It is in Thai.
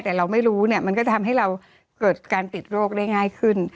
แต่เราไม่รู้เนี่ยมันก็ทำให้เราเกิดการติดโรคได้ง่ายขึ้น